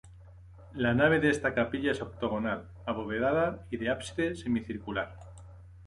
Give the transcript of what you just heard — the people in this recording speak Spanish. La nave de esta capilla es octogonal, abovedada y de ábside semicircular.